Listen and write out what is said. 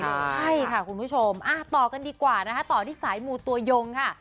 ใช่ค่ะคุณผู้ชมต่อกันดีกว่านะคะต่อที่สายมูตัวยงค่ะ